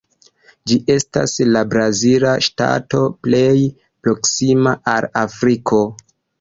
Ĝi estas la brazila ŝtato plej proksima al Afriko.